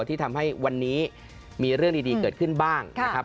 ที่ทำให้วันนี้มีเรื่องดีเกิดขึ้นบ้างนะครับ